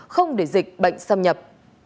không để dịch bệnh xâm nhập